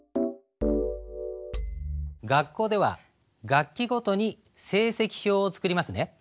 学校では学期ごとに成績表を作りますね。